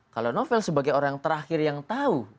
kalau novel sebagai orang terakhir yang tahu